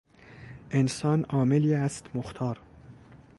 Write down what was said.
انسان عاملی است مختار.